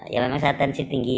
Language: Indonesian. ya memang saya tensi tinggi ya